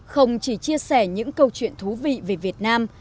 không chỉ chia sẻ những câu chuyện thú vị về việt nam